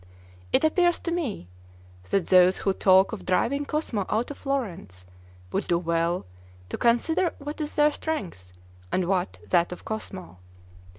It appears to me, that those who talk of driving Cosmo out of Florence would do well to consider what is their strength, and what that of Cosmo.